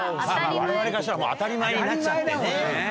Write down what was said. われわれからしたら当たり前になっちゃってね。